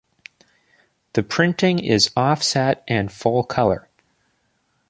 The printing is offset and full-color.